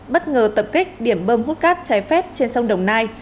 bất ngờ tập kích điểm bơm hút cát trái phép trên sông đồng nai